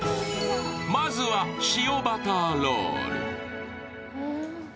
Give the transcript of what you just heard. まずは塩バターロール。